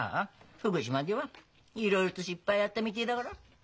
福島ではいろいろと失敗あったみでえだがら。